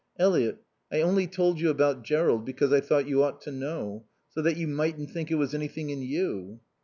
"Eliot I only told you about Jerrold, because I thought you ought to know. So that you mightn't think it was anything in you."